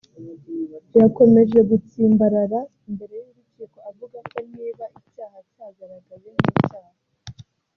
yakomeje gutsimbarara imbere y’urukiko avuga ko niba icyaha cyagaragaye nk’icyaha